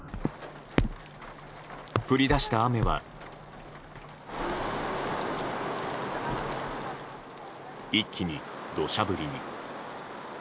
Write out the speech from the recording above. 降り出した雨は一気に土砂降りに。